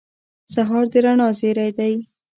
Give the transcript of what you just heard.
سهار د رڼا زېری دی.